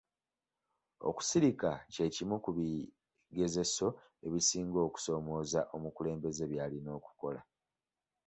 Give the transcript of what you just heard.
Okusirika kye kimu ku bigezeso ebisinga okusoomooza omukulembeze by'alina okukola.